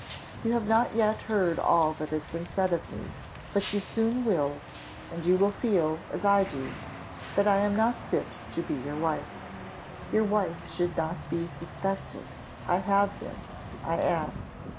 You have not yet heard all that has been said of me; but you soon will, and you will feel, as I do, that I am not fit to be your wife. Your wife should not be suspected; I have been I am.